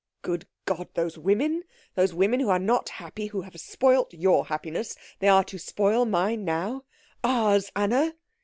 "Good God, those women those women who are not happy, who have spoilt your happiness, they are to spoil mine now ours, Anna?"